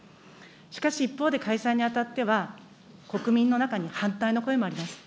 しかし一方で開催にあたっては、国民の中に反対の声もあります。